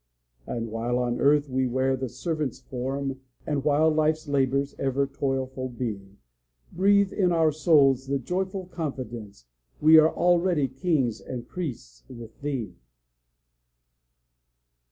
And while on earth we wear the servant's form, And while life's labors ever toilful be, Breathe in our souls the joyful confidence We are already kings and priests with thee.